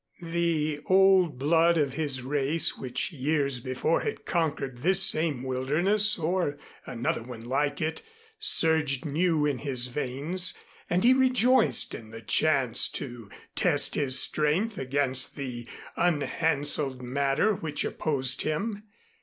The old blood of his race, which years before had conquered this same wilderness, or another one like it, surged new in his veins and he rejoiced in the chance to test his strength against the unhandselled matter which opposed him.